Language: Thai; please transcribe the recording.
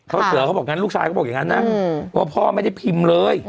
เขาเสือเขาบอกงั้นลูกชายก็บอกอย่างนั้นนะว่าพ่อไม่ได้พิมพ์เลย